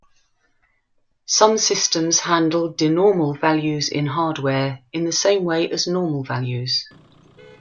Some systems handle denormal values in hardware, in the same way as normal values.